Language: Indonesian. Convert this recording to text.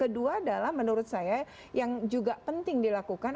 jadi menurut saya yang juga penting dilakukan